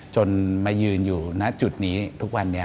จนมายืนอยู่ณจุดนี้ทุกวันนี้